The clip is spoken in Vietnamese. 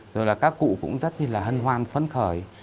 rồi là các cụ cũng rất là hân hoan phấn khởi